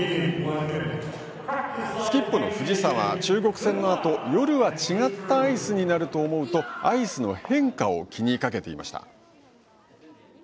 スキップの藤澤、中国戦のあと夜は違ったアイスになると思うとアイスの変化を気にかけていました。